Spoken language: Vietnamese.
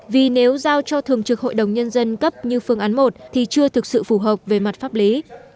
vì nếu giao cho thường trực hội đồng nhân dân cấp như phương án một thì chưa thực sự phù hợp về mặt pháp lý